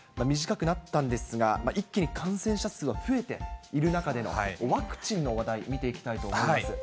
短くなったんですが、一気に感染者数が増えている中でのワクチンの話題、見ていきたいと思います。